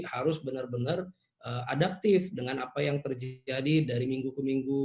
harus benar benar adaptif dengan apa yang terjadi dari minggu ke minggu